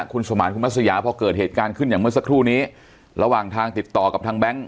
คุณสมานคุณมัศยาพอเกิดเหตุการณ์ขึ้นอย่างเมื่อสักครู่นี้ระหว่างทางติดต่อกับทางแบงค์